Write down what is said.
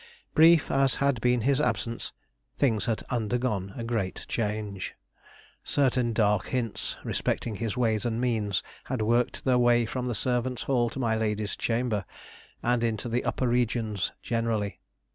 Brief as had been his absence, things had undergone a great change. Certain dark hints respecting his ways and means had worked their way from the servants' hall to my lady's chamber, and into the upper regions generally.